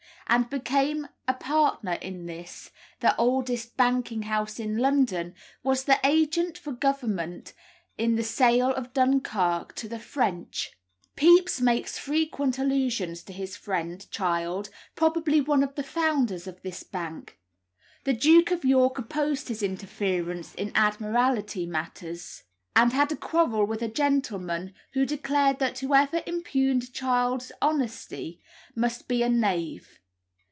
and became a partner in this, the oldest banking house in London, was the agent for Government in the sale of Dunkirk to the French. Pepys makes frequent allusions to his friend Child, probably one of the founders of this bank. The Duke of York opposed his interference in Admiralty matters, and had a quarrel with a gentleman who declared that whoever impugned Child's honesty must be a knave.